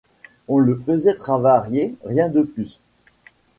On le faisait travailler, rien de plus.